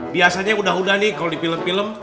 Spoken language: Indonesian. biasanya udah udah nih kalo dipilem pilem